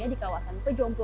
jadi yang pertama